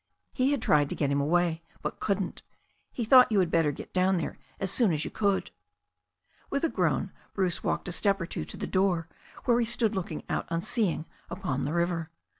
He had tried to get him away, but couldn't. He thought you had better get down there as soon as you could." With a groan Bruce walked a step or two to the door, where he stood looking out unseeing upon the river.